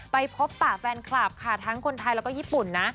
ไปพบป่าแฟนคลับค่ะทั้งคนไทยแล้วก็ญี่ปุ่นนะ